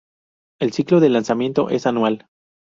El ciclo de lanzamiento es anual.